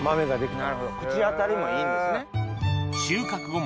なるほど口当たりもいいんですね。